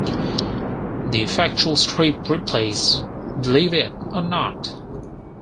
The factual strip Ripley's Believe It Or Not!